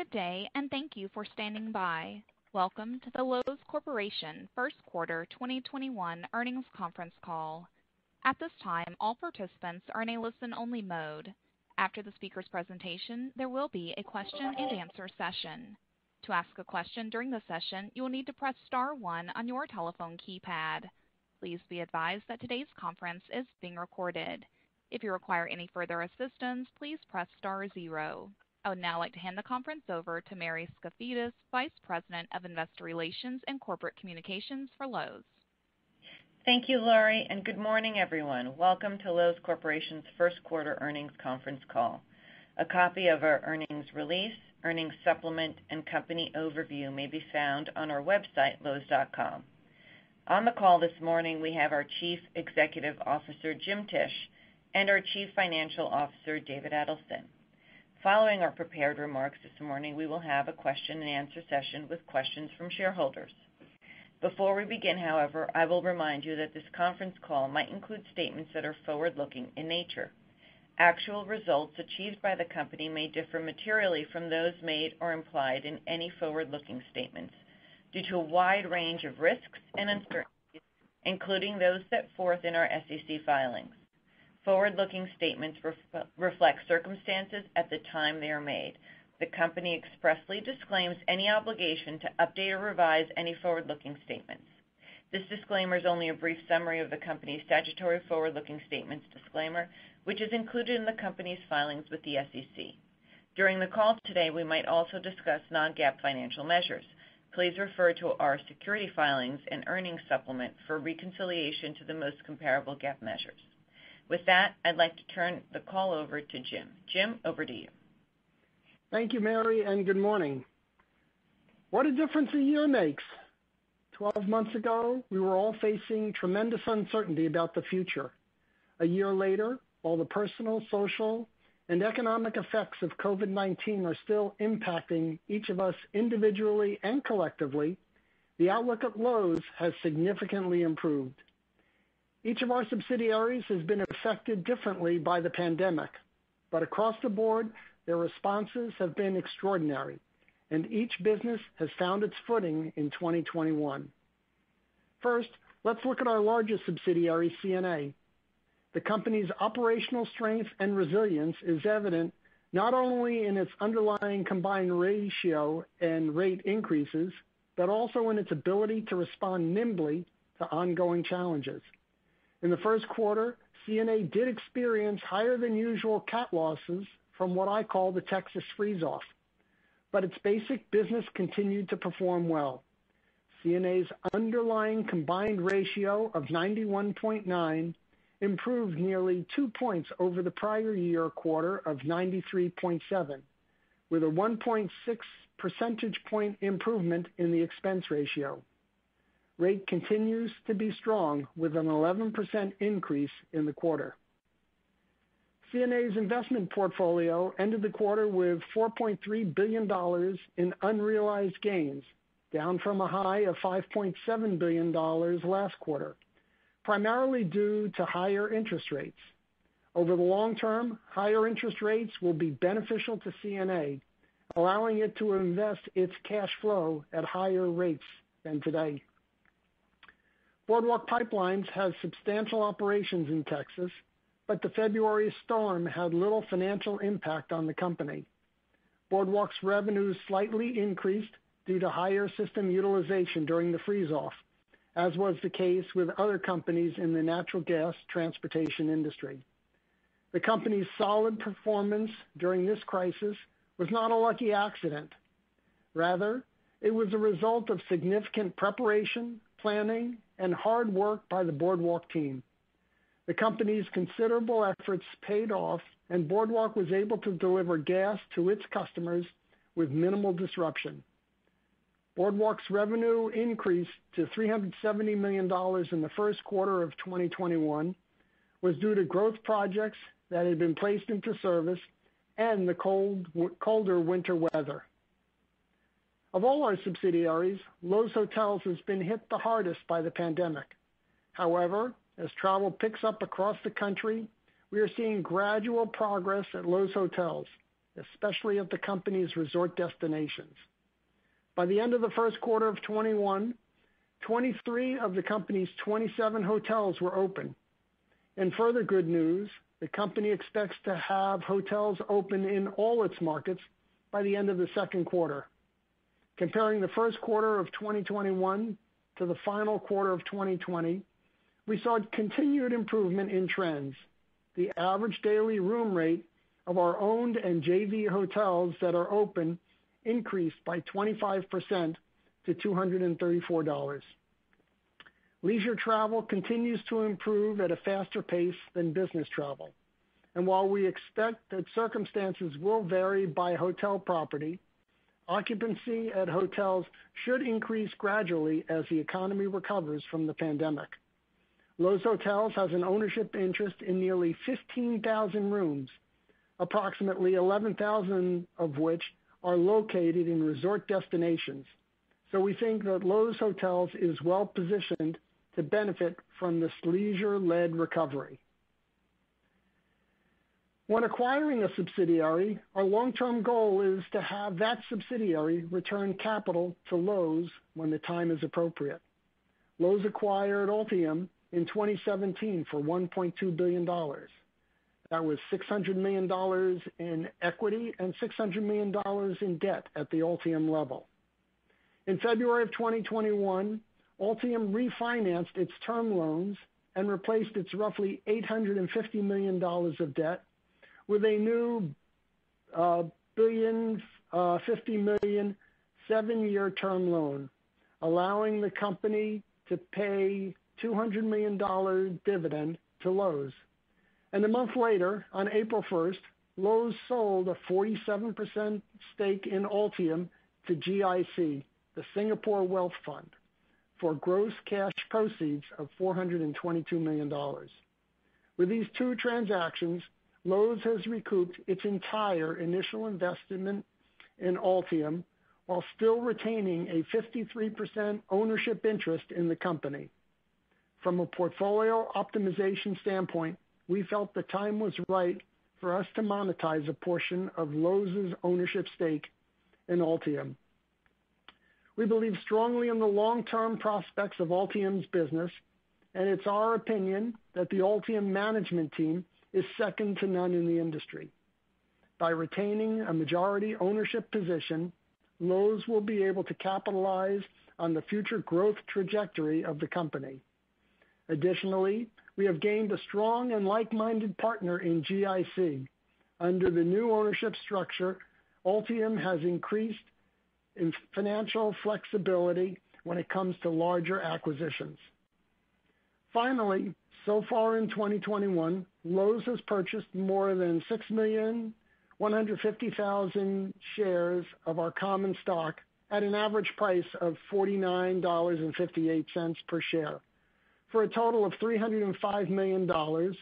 Good day, and thank you for standing by. Welcome to the Loews Corporation First Quarter 2021 Earnings Conference Call. At this time, all participants are in a listen-only mode. After the speaker's presentation there will be a question and answer session. I would now like to hand the conference over to Mary Skafidas, Vice President of Investor Relations and Corporate Communications for Loews. Thank you, Laurie, and good morning, everyone. Welcome to Loews Corporation's first quarter earnings conference call. A copy of our earnings release, earnings supplement, and company overview may be found on our website, loews.com. On the call this morning, we have our Chief Executive Officer, Jim Tisch; and our Chief Financial Officer, David Edelson. Following our prepared remarks this morning, we will have a question-and-answer session with questions from shareholders. Before we begin, however, I will remind you that this conference call might include statements that are forward-looking in nature. Actual results achieved by the Company may differ materially from those made or implied in any forward-looking statements due to a wide range of risks and uncertainties, including those set forth in our SEC filings. Forward-looking statements reflect circumstances at the time they are made. The Company expressly disclaims any obligation to update or revise any forward-looking statements. This disclaimer is only a brief summary of the Company's statutory forward-looking statements disclaimer, which is included in the Company's filings with the SEC. During the call today, we might also discuss non-GAAP financial measures. Please refer to our security filings and earnings supplement for reconciliation to the most comparable GAAP measures. With that, I'd like to turn the call over to Jim. Jim, over to you. Thank you, Mary, and good morning. What a difference a year makes. 12 months ago, we were all facing tremendous uncertainty about the future. A year later, while the personal, social, and economic effects of COVID-19 are still impacting each of us individually and collectively, the outlook at Loews has significantly improved. Each of our subsidiaries has been affected differently by the pandemic, but across the board, their responses have been extraordinary, and each business has found its footing in 2021. First, let's look at our largest subsidiary, CNA. The company's operational strength and resilience is evident not only in its underlying combined ratio and rate increases, but also in its ability to respond nimbly to ongoing challenges. In the first quarter, CNA did experience higher-than-usual cat losses from what I call the Texas Freeze-off, but its basic business continued to perform well. CNA's underlying combined ratio of 91.9% improved nearly two points over the prior year quarter of 93.7%, with a 1.6 percentage point improvement in the expense ratio. Rate continues to be strong with an 11% increase in the quarter. CNA's investment portfolio ended the quarter with $4.3 billion in unrealized gains, down from a high of $5.7 billion last quarter, primarily due to higher interest rates. Over the long term, higher interest rates will be beneficial to CNA, allowing it to invest its cash flow at higher rates than today. The February storm had little financial impact on the company. Boardwalk Pipelines' revenues slightly increased due to higher system utilization during the freeze-off, as was the case with other companies in the natural gas transportation industry. The company's solid performance during this crisis was not a lucky accident. Rather, it was a result of significant preparation, planning, and hard work by the Boardwalk team. The company's considerable efforts paid off, and Boardwalk was able to deliver gas to its customers with minimal disruption. Boardwalk's revenue increased to $370 million in the first quarter of 2021 was due to growth projects that had been placed into service and the colder winter weather. Of all our subsidiaries, Loews Hotels has been hit the hardest by the pandemic. However, as travel picks up across the country, we are seeing gradual progress at Loews Hotels, especially at the company's resort destinations. By the end of the first quarter of 2021, 23 of the company's 27 hotels were open. In further good news, the company expects to have hotels open in all its markets by the end of the second quarter. Comparing the first quarter of 2021 to the final quarter of 2020, we saw continued improvement in trends. The average daily room rate of our owned and JV hotels that are open increased by 25% to $234. Leisure travel continues to improve at a faster pace than business travel, and while we expect that circumstances will vary by hotel property, occupancy at hotels should increase gradually as the economy recovers from the pandemic. Loews Hotels has an ownership interest in nearly 15,000 rooms, approximately 11,000 of which are located in resort destinations. We think that Loews Hotels is well-positioned to benefit from this leisure-led recovery. When acquiring a subsidiary, our long-term goal is to have that subsidiary return capital to Loews when the time is appropriate. Loews acquired Altium in 2017 for $1.2 billion. That was $600 million in equity and $600 million in debt at the Altium level. In February of 2021, Altium refinanced its term loans and replaced its roughly $850 million of debt with a new $1.05 billion, seven-year term loan, allowing the company to pay a $200 million dividend to Loews. A month later, on April 1st, Loews sold a 47% stake in Altium to GIC, the Singapore wealth fund, for gross cash proceeds of $422 million. With these two transactions, Loews has recouped its entire initial investment in Altium while still retaining a 53% ownership interest in the company. From a portfolio optimization standpoint, we felt the time was right for us to monetize a portion of Loews' ownership stake in Altium. We believe strongly in the long-term prospects of Altium's business, and it's our opinion that the Altium management team is second to none in the industry. By retaining a majority ownership position, Loews will be able to capitalize on the future growth trajectory of the company. Additionally, we have gained a strong and like-minded partner in GIC. Under the new ownership structure, Altium has increased its financial flexibility when it comes to larger acquisitions. Finally, so far in 2021, Loews has purchased more than 6,150,000 shares of our common stock at an average price of $49.58 per share, for a total of $305 million,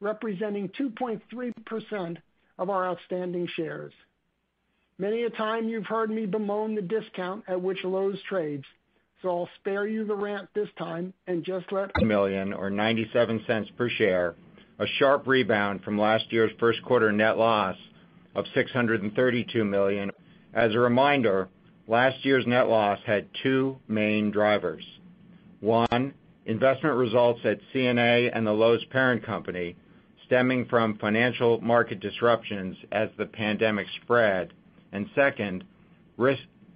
representing 2.3% of our outstanding shares. Many a time you've heard me bemoan the discount at which Loews trades, so I'll spare you the rant this time and just let our repurchase activity speak for itself. For the first quarter, Loews reported net income of $261 million, or $0.97 per share, a sharp rebound from last year's first quarter net loss of $632 million or $2.20 per share. As a reminder, last year's net loss had two main drivers. One, investment results at CNA and the Loews parent company stemming from financial market disruptions as the pandemic spread. Second,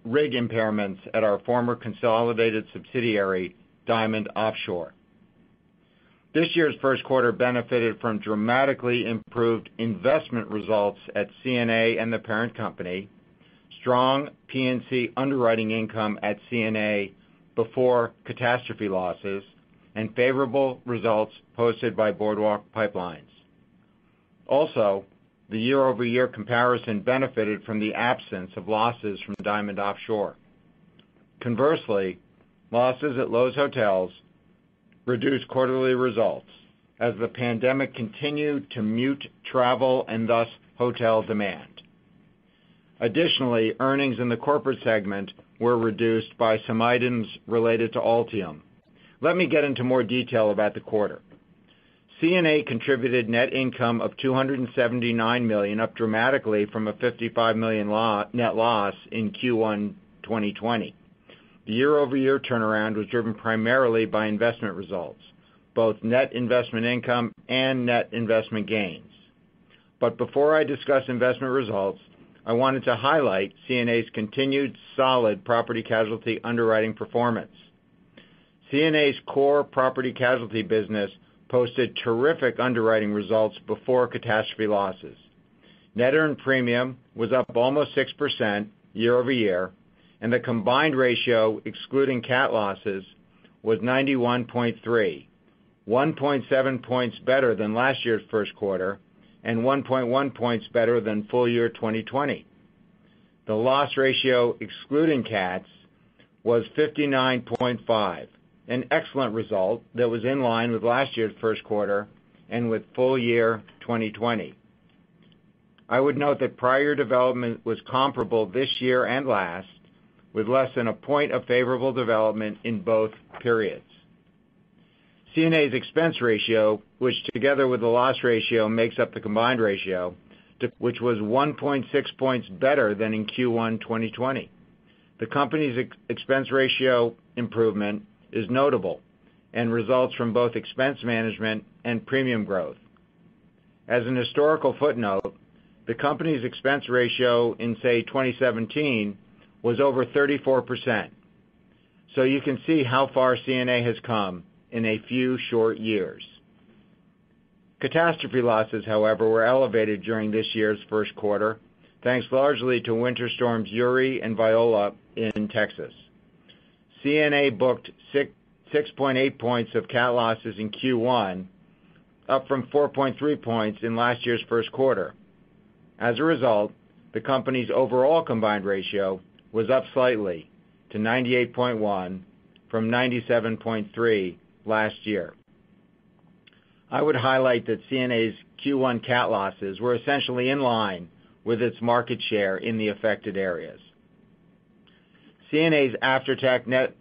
rig impairments at our former consolidated subsidiary, Diamond Offshore. This year's first quarter benefited from dramatically improved investment results at CNA and the parent company; strong P&C underwriting income at CNA before catastrophe losses; and favorable results posted by Boardwalk Pipelines. The year-over-year comparison benefited from the absence of losses from Diamond Offshore. Conversely, losses at Loews Hotels reduced quarterly results as the pandemic continued to mute travel and thus hotel demand. Additionally, earnings in the corporate segment were reduced by some items related to Altium. Let me get into more detail about the quarter. CNA contributed net income of $279 million, up dramatically from a $55 million net loss in Q1 2020. The year-over-year turnaround was driven primarily by investment results, both net investment income and net investment gains. Before I discuss investment results, I wanted to highlight CNA's continued solid property-casualty underwriting performance. CNA's core property-casualty business posted terrific underwriting results before catastrophe losses. Net earned premium was up almost 6% year-over-year, and the combined ratio, excluding cat losses, was 91.3%, 1.7 points better than last year's first quarter and 1.1 points better than full year 2020. The loss ratio excluding cat was 59.5%, an excellent result that was in line with last year's first quarter and with full year 2020. I would note that prior development was comparable this year and last, with less than a point of favorable development in both periods. CNA's expense ratio, which together with the loss ratio makes up the combined ratio, makes up the combined ratio declained to 31.5%, which was 1.6 points better than in Q1 2020. The Company's expense ratio improvement is notable and results from both expense management and premium growth. As an historical footnote, the Company's expense ratio in, say, 2017 was over 34%. You can see how far CNA has come in a few short years. Catastrophe losses, however, were elevated during this year's first quarter, thanks largely to Winter Storms Uri and Viola in Texas. CNA booked 6.8 points of cat losses in Q1, up from 4.3 points in last year's first quarter. As a result, the Company's overall combined ratio was up slightly to 98.1% from 97.3% last year. I would highlight that CNA's Q1 cat losses were essentially in line with its market share in the affected areas. CNA's after-tax net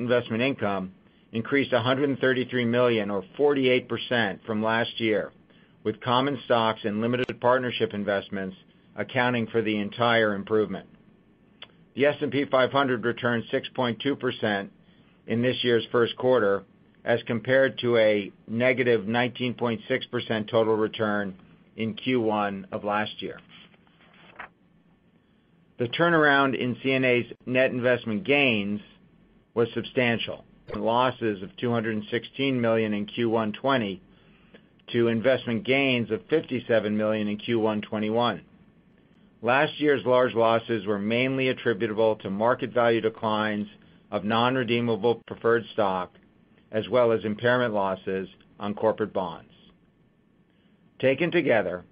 investment income increased $133 million, or 48%, from last year, with common stocks and limited partnership investments accounting for the entire improvement. The S&P 500 returned 6.2% in this year's first quarter, as compared to a -19.6% total return in Q1 of last year. The turnaround in CNA's net investment gains was substantial. From losses of $216 million in Q1 2020 to investment gains of $57 million in Q1 2021. Last year's large losses were mainly attributable to market value declines of non-redeemable preferred stock, as well as impairment losses on corporate bonds. Taken together,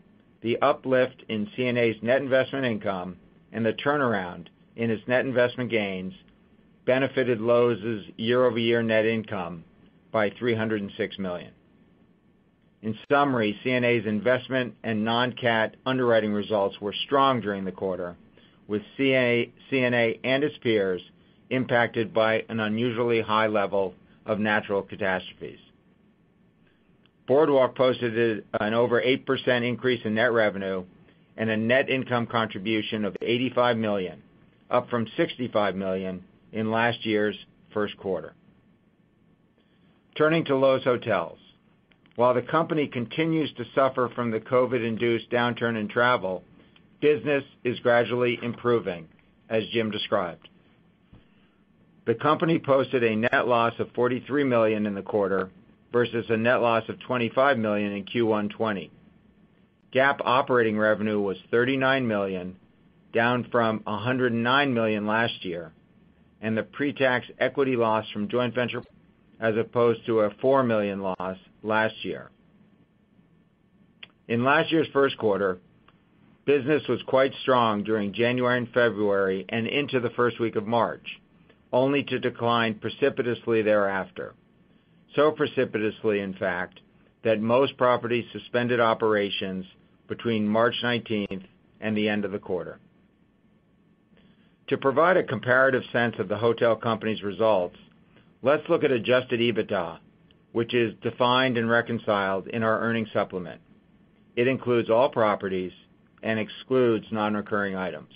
the uplift in CNA's net investment income and the turnaround in its net investment gains benefited Loews' year-over-year net income by $306 million. In summary, CNA's investment and non-cat underwriting results were strong during the quarter, with CNA and its peers impacted by an unusually high level of natural catastrophes. Boardwalk posted an over 8% increase in net revenue and a net income contribution of $85 million, up from $65 million in last year's first quarter. Turning to Loews Hotels. While the company continues to suffer from the COVID-induced downturn in travel, business is gradually improving, as Jim described. The company posted a net loss of $43 million in the quarter versus a net loss of $25 million in Q1 2020. GAAP operating revenue was $39 million, down from $109 million last year, and the pre-tax equity loss from joint venture properties was $12 million, as opposed to a $4 million loss last year. In last year's first quarter, business was quite strong during January and February and into the first week of March, only to decline precipitously thereafter. So precipitously, in fact, that most properties suspended operations between March 19th and the end of the quarter. To provide a comparative sense of the hotel company's results, let's look at adjusted EBITDA, which is defined and reconciled in our earnings supplement. It includes all properties and excludes non-recurring items.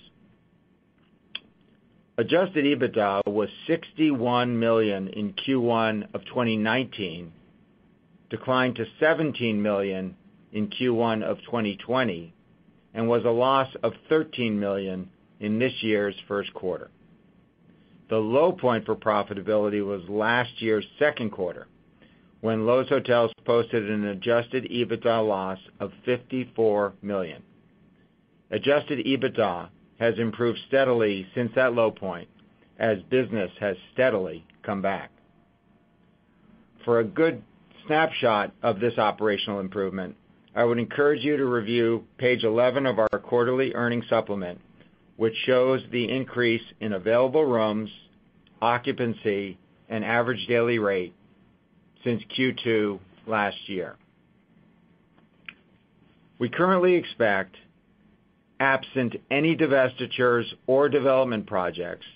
Adjusted EBITDA was $61 million in Q1 of 2019, declined to $17 million in Q1 of 2020, and was a loss of $13 million in this year's first quarter. The low point for profitability was last year's second quarter, when Loews Hotels posted an adjusted EBITDA loss of $54 million. Adjusted EBITDA has improved steadily since that low point, as business has steadily come back. For a good snapshot of this operational improvement, I would encourage you to review page 11 of our quarterly earnings supplement, which shows the increase in available rooms, occupancy, and average daily rate since Q2 last year. We currently expect, absent any divestitures or development projects,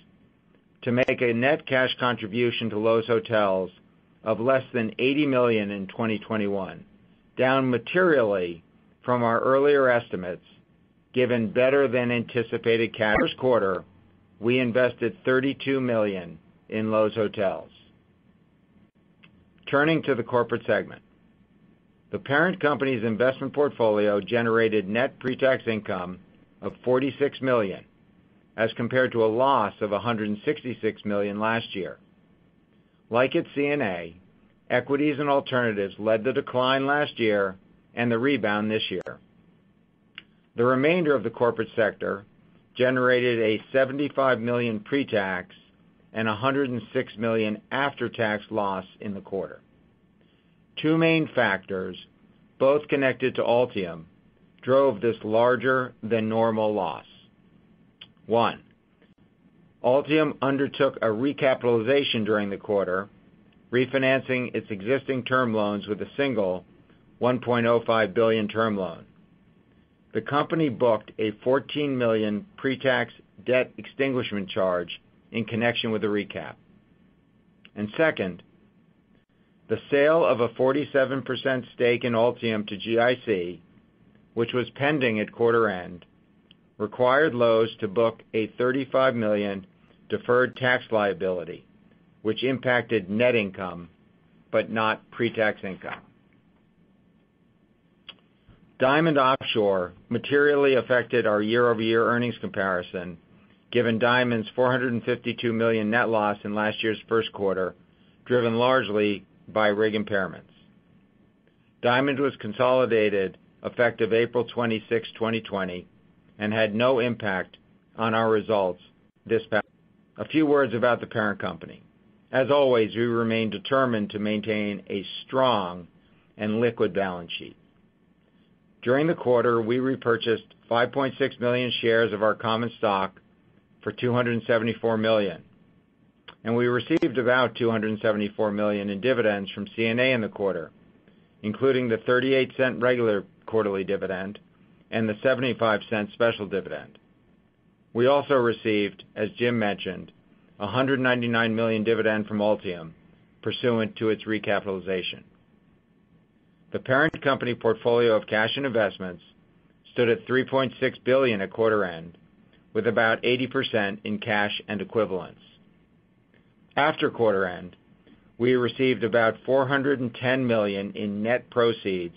to make a net cash contribution to Loews Hotels of less than $80 million in 2021, down materially from our earlier estimates, given better than anticipated quarter, we invested $32 million in Loews Hotels. Turning to the Corporate segment. The parent company's investment portfolio generated net pre-tax income of $46 million, as compared to a loss of $166 million last year. Like at CNA, equities and alternatives led the decline last year and the rebound this year. The remainder of the corporate sector generated a $75 million pre-tax and $106 million after-tax loss in the quarter. Two main factors, both connected to Altium, drove this larger than normal loss. One, Altium undertook a recapitalization during the quarter, refinancing its existing term loans with a single $1.05 billion term loan. The company booked a $14 million pre-tax debt extinguishment charge in connection with the recap. Second, the sale of a 47% stake in Altium to GIC, which was pending at quarter end, required Loews to book a $35 million deferred tax liability, which impacted net income, but not pre-tax income. Diamond Offshore materially affected our year-over-year earnings comparison, given Diamond's $452 million net loss in last year's first quarter, driven largely by rig impairments. Diamond was consolidated effective April 26, 2020, and had no impact on our results. A few words about the parent company. As always, we remain determined to maintain a strong and liquid balance sheet. During the quarter, we repurchased 5.6 million shares of our common stock for $274 million. We received about $274 million in dividends from CNA in the quarter, including the $0.38 regular quarterly dividend and the $0.75 special dividend. We also received, as Jim mentioned, $199 million dividend from Altium pursuant to its recapitalization. The parent company portfolio of cash and investments stood at $3.6 billion at quarter-end, with about 80% in cash and equivalents. After quarter-end, we received about $410 million in net proceeds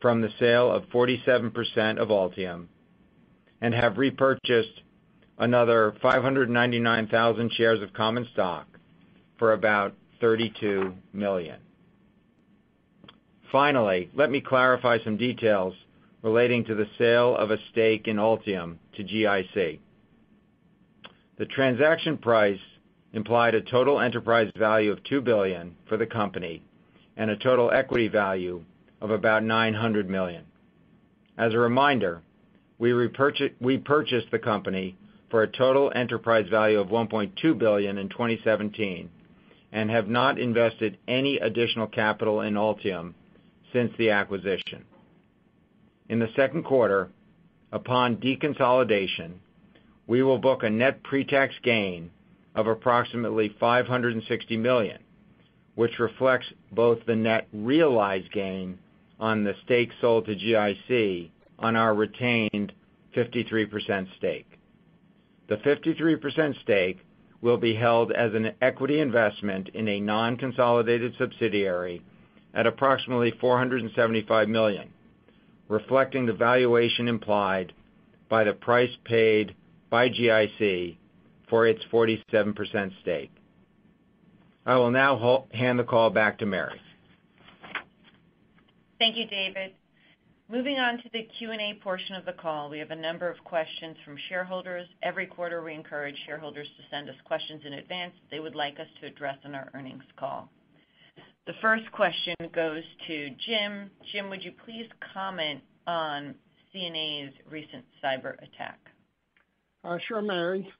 from the sale of 47% of Altium and have repurchased another 599,000 shares of common stock for about $32 million. Finally, let me clarify some details relating to the sale of a stake in Altium to GIC. The transaction price implied a total enterprise value of $2 billion for the company and a total equity value of about $900 million. As a reminder, we purchased the company for a total enterprise value of $1.2 billion in 2017 and have not invested any additional capital in Altium since the acquisition. In the second quarter, upon deconsolidation, we will book a net pretax gain of approximately $560 million, which reflects both the net realized gain on the stake sold to GIC on our retained 53% stake. The 53% stake will be held as an equity investment in a non-consolidated subsidiary at approximately $475 million, reflecting the valuation implied by the price paid by GIC for its 47% stake. I will now hand the call back to Mary. Thank you, David. Moving on to the Q&A portion of the call. We have a number of questions from shareholders. Every quarter, we encourage shareholders to send us questions in advance that they would like us to address on our earnings call. The first question goes to Jim. Jim, would you please comment on CNA's recent cyberattack? Sure, Mary.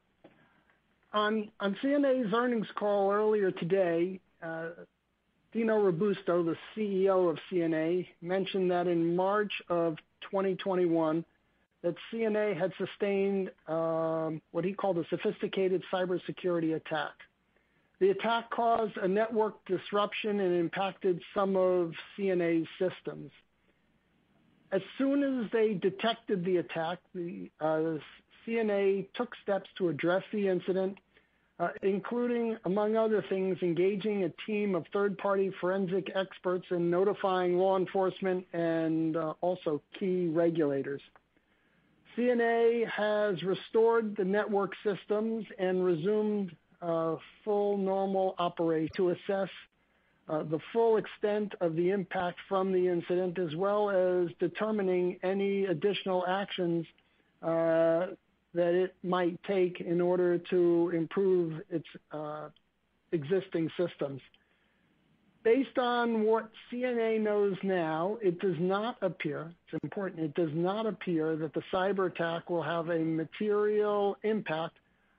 On CNA's earnings call earlier today, Dino Robusto, the CEO of CNA, mentioned that in March of 2021, CNA had sustained what he called a sophisticated cybersecurity attack. The attack caused a network disruption and impacted some of CNA's systems. As soon as they detected the attack, CNA took steps to address the incident, including, among other things, engaging a team of third-party forensic experts and notifying law enforcement and also key regulators. CNA has restored the network systems and resumed full normal operation to assess the full extent of the impact from the incident, as well as determining any additional actions that it might take in order to improve its existing systems. Based on what CNA knows now, it does not appear, it's important, it does not appear that the cyberattack will have a material impact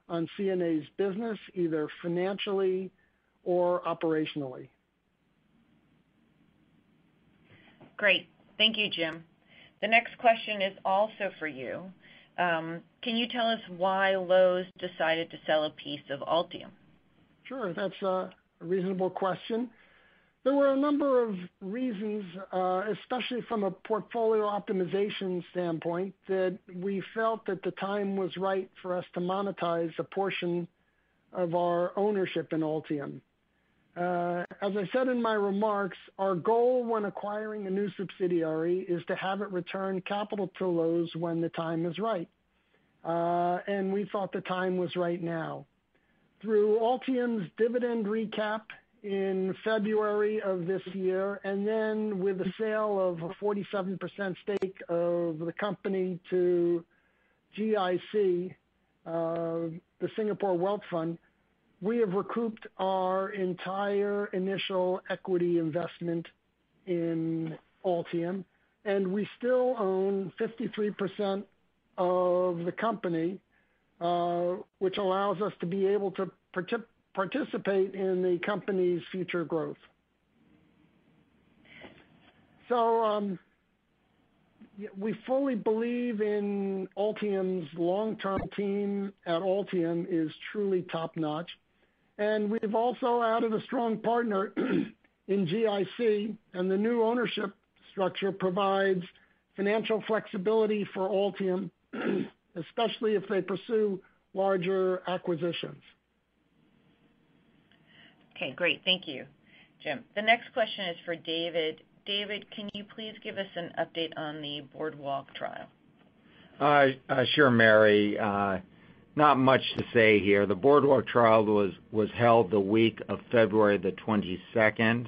on CNA's business, either financially or operationally. Great. Thank you, Jim. The next question is also for you. Can you tell us why Loews decided to sell a piece of Altium? Sure. That's a reasonable question. There were a number of reasons, especially from a portfolio optimization standpoint, that we felt that the time was right for us to monetize a portion of our ownership in Altium. As I said in my remarks, our goal when acquiring a new subsidiary is to have it return capital to Loews when the time is right. We thought the time was right now. Through Altium's dividend recap in February of this year, and then with the sale of a 47% stake of the company to GIC, the Singapore Wealth Fund, we have recouped our entire initial equity investment in Altium, and we still own 53% of the company, which allows us to be able to participate in the company's future growth. We fully believe in Altium's long-term team at Altium is truly top-notch, we've also added a strong partner in GIC, the new ownership structure provides financial flexibility for Altium, especially if they pursue larger acquisitions. Okay, great. Thank you, Jim. The next question is for David. David, can you please give us an update on the Boardwalk trial? Sure, Mary. Not much to say here. The Boardwalk trial was held the week of February 22nd.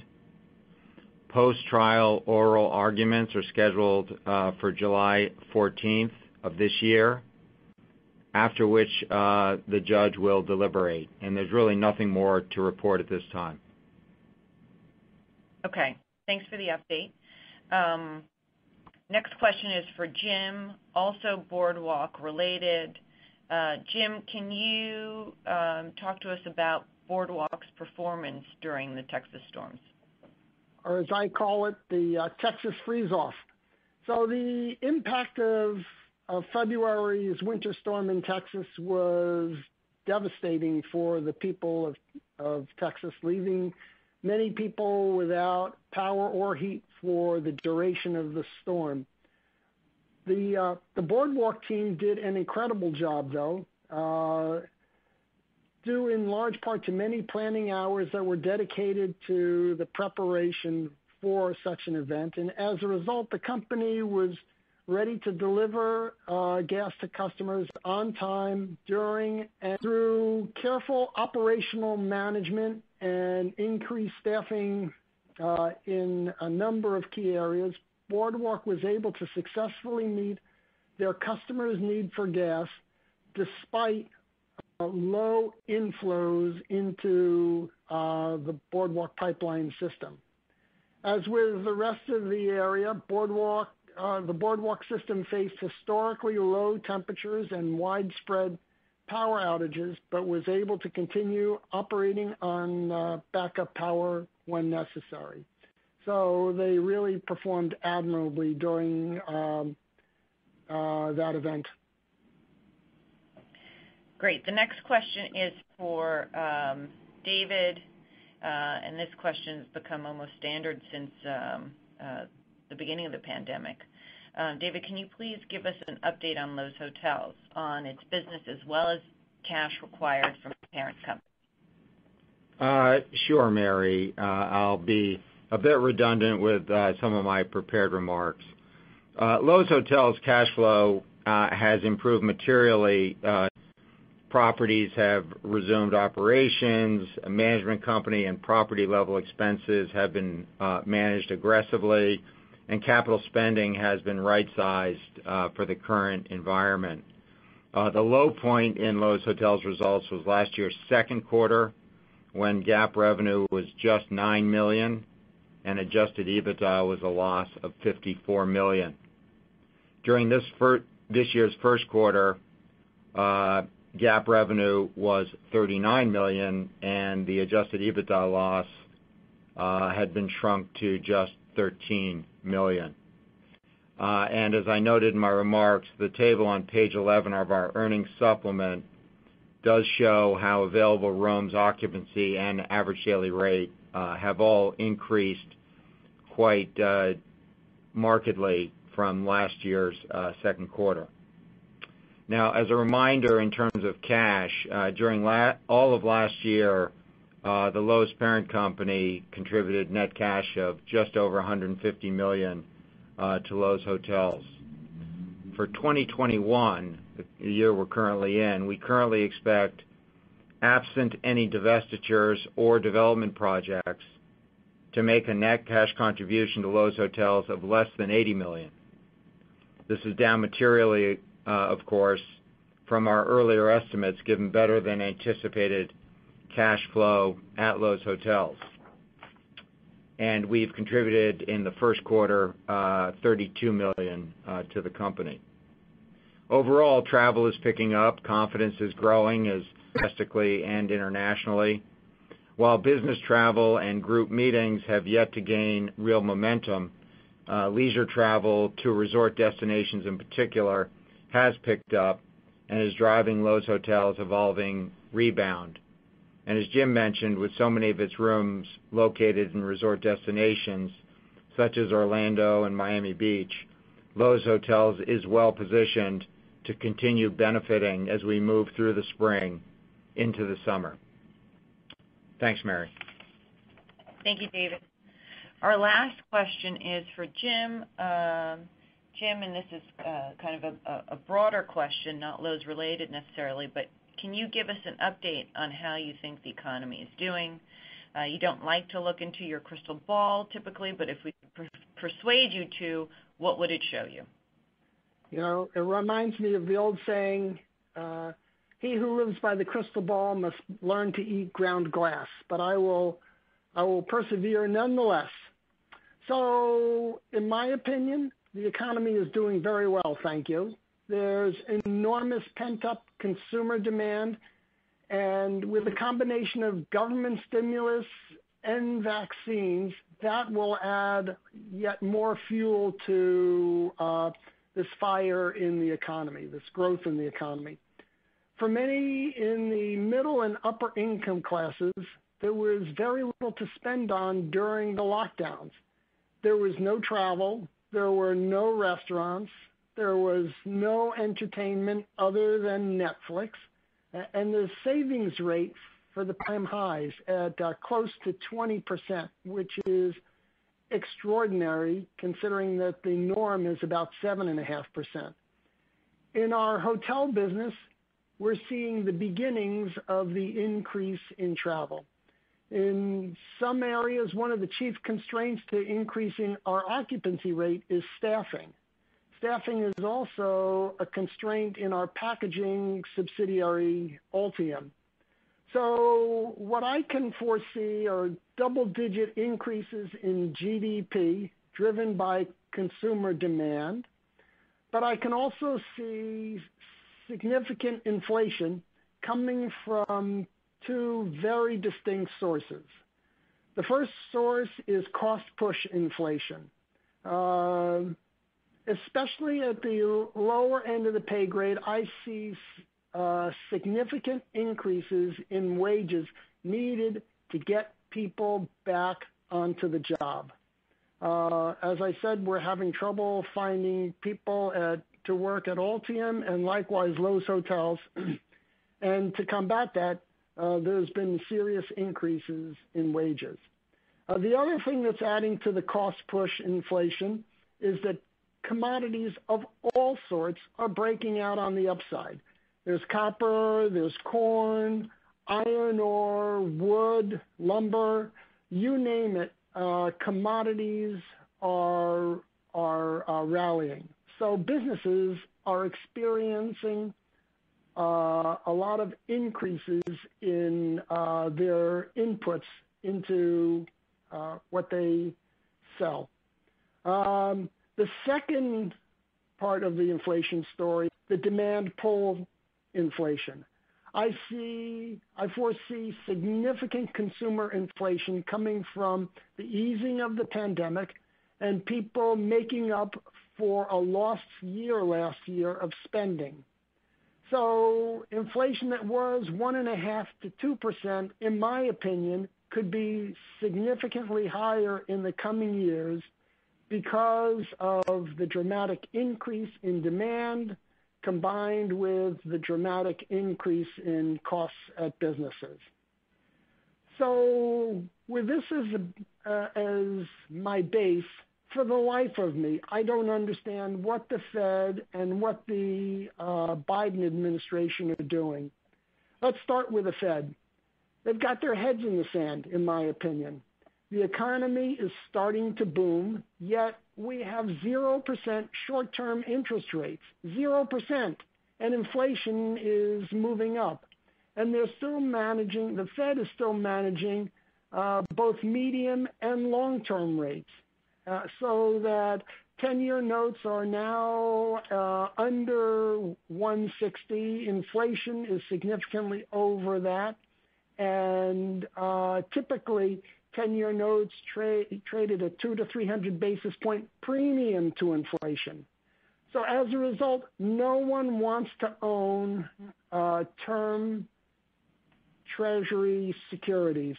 Post-trial oral arguments are scheduled for July 14th of this year, after which the judge will deliberate, and there's really nothing more to report at this time. Okay. Thanks for the update. Next question is for Jim, also Boardwalk-related. Jim, can you talk to us about Boardwalk's performance during the Texas storms? As I call it, the Texas freeze-off. The impact of February's winter storm in Texas was devastating for the people of Texas, leaving many people without power or heat for the duration of the storm. The Boardwalk team did an incredible job, though, due in large part to many planning hours that were dedicated to the preparation for such an event. As a result, the company was ready to deliver gas to customers on time during and through careful operational management and increased staffing in a number of key areas. Boardwalk was able to successfully meet their customers' need for gas despite low inflows into the Boardwalk Pipeline system. As with the rest of the area, the Boardwalk system faced historically low temperatures and widespread power outages, but was able to continue operating on backup power when necessary. They really performed admirably during that event. Great. The next question is for David. This question has become almost standard since the beginning of the pandemic. David, can you please give us an update on Loews Hotels on its business as well as cash required from the parent company? Sure, Mary. I'll be a bit redundant with some of my prepared remarks. Loews Hotels' cash flow has improved materially since the onset of the pandemic. Properties have resumed operations, management company, and property-level expenses have been managed aggressively, and capital spending has been right-sized for the current environment. The low point in Loews Hotels' results was last year's second quarter, when GAAP revenue was just $9 million and adjusted EBITDA was a loss of $54 million. During this year's first quarter, GAAP revenue was $39 million, and the adjusted EBITDA loss had been shrunk to just $13 million. As I noted in my remarks, the table on page 11 of our earnings supplement does show how available rooms' occupancy and average daily rate have all increased quite markedly from last year's second quarter. As a reminder, in terms of cash, during all of last year, the Loews parent company contributed net cash of just over $150 million to Loews Hotels. For 2021, the year we're currently in, we currently expect, absent any divestitures or development projects, to make a net cash contribution to Loews Hotels of less than $80 million. This is down materially, of course, from our earlier estimates, given better-than-anticipated cash flow at Loews Hotels. We've contributed in the first quarter $32 million to the company. Overall, travel is picking up. Confidence is growing domestically and internationally. While business travel and group meetings have yet to gain real momentum, leisure travel to resort destinations, in particular, has picked up and is driving Loews Hotels' evolving rebound. As Jim mentioned, with so many of its rooms located in resort destinations such as Orlando and Miami Beach, Loews Hotels is well-positioned to continue benefiting as we move through the spring into the summer. Thanks, Mary. Thank you, David. Our last question is for Jim. Jim, and this is kind of a broader question, not Loews-related necessarily, but can you give us an update on how you think the economy is doing? You don't like to look into your crystal ball typically, but if we could persuade you to, what would it show you? It reminds me of the old saying, "He who lives by the crystal ball must learn to eat ground glass." I will persevere nonetheless. In my opinion, the economy is doing very well, thank you. There is enormous pent-up consumer demand. With a combination of government stimulus and vaccines, that will add yet more fuel to this fire in the economy, this growth in the economy. For many in the middle and upper-income classes, there was very little to spend on during the lockdowns. There was no travel. There were no restaurants. There was no entertainment other than Netflix. The savings rates for the past year has been at all-time highs at close to 20%, which is extraordinary considering that the norm is about 7.5%. In our hotel business, we're seeing the beginnings of the increase in travel. In some areas, one of the chief constraints to increasing our occupancy rate is staffing. Staffing is also a constraint in our packaging subsidiary, Altium. What I can foresee are double-digit increases in GDP driven by consumer demand, but I can also see significant inflation coming from two very distinct sources. The first source is cost-push inflation. Especially at the lower end of the pay-grade, I see significant increases in wages needed to get people back onto the job. As I said, we're having trouble finding people to work at Altium and likewise Loews Hotels. To combat that, there's been serious increases in wages. The other thing that's adding to the cost-push inflation is that commodities of all sorts are breaking out on the upside. There's copper, there's corn, iron ore, wood, lumber, you name it; commodities are rallying. Businesses are experiencing a lot of increases in their inputs into what they sell. The second part of the inflation story, the demand pull inflation. I foresee significant consumer inflation coming from the easing of the pandemic and people making up for a lost year, last year, of spending. Inflation that was 1.5%-2%, in my opinion, could be significantly higher in the coming years because of the dramatic increase in demand combined with the dramatic increase in costs at businesses. With this as my base, for the life of me, I don't understand what the Fed and what the Biden administration are doing. Let's start with the Fed. They've got their heads in the sand, in my opinion. The economy is starting to boom, yet we have 0% short-term interest rates, 0%, and inflation is moving up. The Fed is still managing both medium and long-term rates, so that 10-year notes are now under 160 basis points inflation is significantly over that. Typically, 10-year notes traded at 200-300 basis points premium to inflation. As a result, no one wants to own term Treasury securities.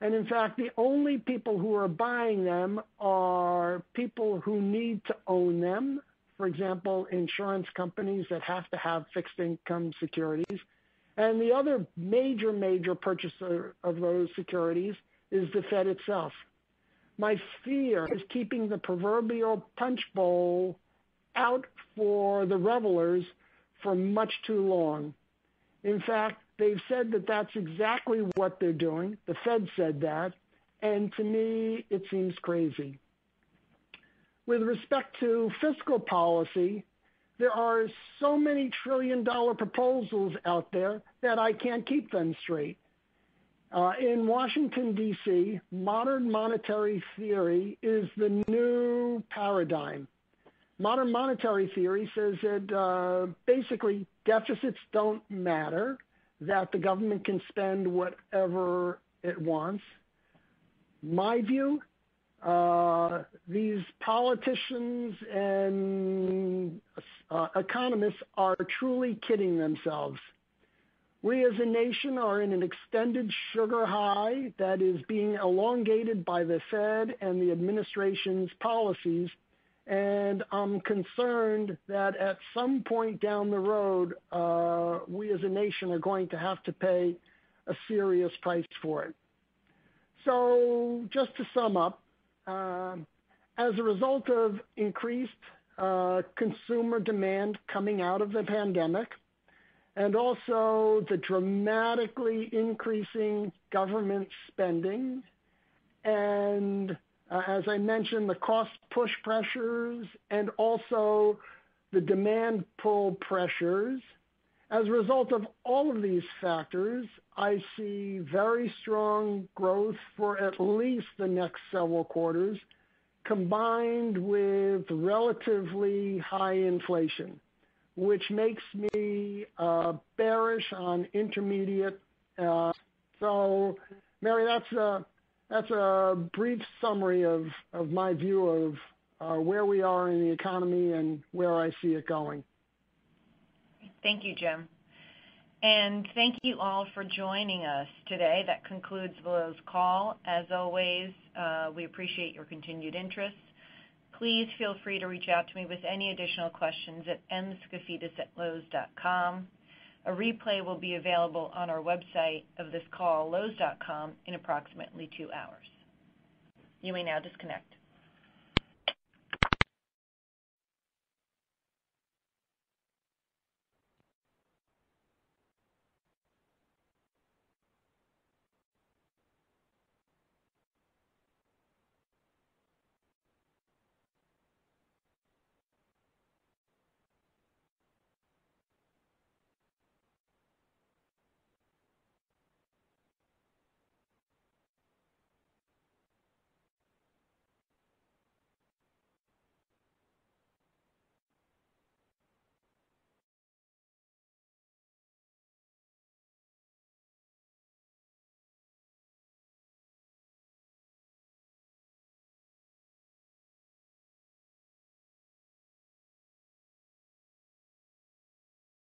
In fact, the only people who are buying them are people who need to own them. For example, insurance companies that have to have fixed income securities. The other major purchaser of those securities is the Fed itself. My fear is keeping the proverbial punch bowl out for the revelers for much too long. In fact, they've said that that's exactly what they're doing. The Fed said that, and to me, it seems crazy. With respect to fiscal policy, there are so many trillion-dollar proposals out there that I can't keep them straight. In Washington, D.C., modern monetary theory is the new paradigm. Modern monetary theory says that, basically, deficits don't matter, that the government can spend whatever it wants. My view is, these politicians and economists are truly kidding themselves. We, as a nation, are in an extended sugar high that is being elongated by the Fed and the administration's policies, and I'm concerned that at some point down the road, we as a nation are going to have to pay a serious price for it. Just to sum up, as a result of increased consumer demand coming out of the pandemic and also the dramatically increasing government spending and, as I mentioned, the cost-push pressures and also the demand-pull pressures, as a result of all of these factors, I see very strong growth for at least the next several quarters, combined with relatively high inflation, which makes me bearish on intermediate and long-term interest rates. Mary, that's a brief summary of my view of where we are in the economy and where I see it going. Thank you, James S. Tisch. Thank you all for joining us today. That concludes Loews call. As always, we appreciate your continued interest. Please feel free to reach out to me with any additional questions at mskafidas@loews.com. A replay will be available on our website of this call, loews.com, in approximately two hours. You may now disconnect.